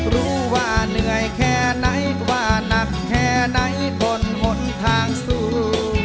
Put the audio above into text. รู้ว่าเหนื่อยแค่ไหนว่านักแค่ไหนทนหมดทางสู้